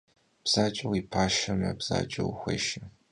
Bzace vui paşşeme, bzace vuxuêşşe.